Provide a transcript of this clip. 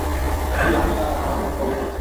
জি, আমি আর আমার বোন পলিন পড়েছি।